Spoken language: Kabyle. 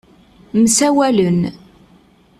Msawalen.